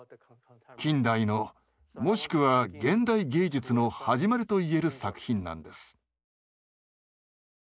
近代のもしくは現代芸術の始まりと言える作品なんです。